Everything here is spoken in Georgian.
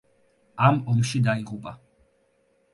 ამ ომში დაიღუპა.